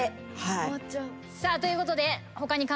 さあということで。